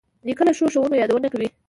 نیکه له ښو ښوونو یادونه کوي.